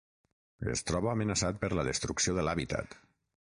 Es troba amenaçat per la destrucció de l'hàbitat.